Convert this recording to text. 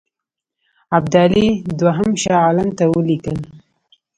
ابدالي دوهم شاه عالم ته ولیکل.